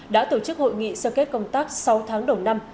đã tổ chức hội nghị sơ kết công tác sáu tháng đầu năm